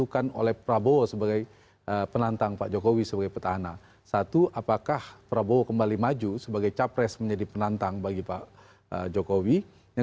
kami akan segera kembali ke segmen berikutnya